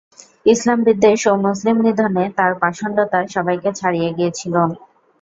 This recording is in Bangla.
ইসলাম বিদ্বেষ ও মুসলিম নিধনে তার পাষণ্ডতা সবাইকে ছাড়িয়ে গিয়েছিল।